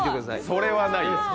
それはないやろ。